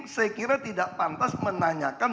saya kira tidak pantas menanyakan